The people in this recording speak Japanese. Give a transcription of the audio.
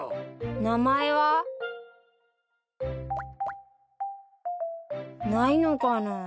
名前は？ないのかな？